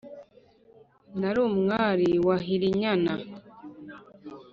Nari umwari wahira inyana